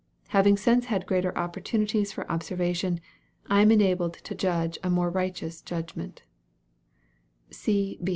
Having since had greater opportunities for observation, I am enabled to judge more righteous judgment.